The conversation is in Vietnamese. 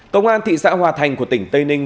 công an thị xã hòa thành của tỉnh tây ninh